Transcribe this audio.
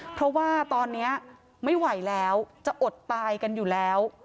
เพราะว่าตอนนี้ไม่ไหวแล้วจะอดตายกันอยู่แล้ว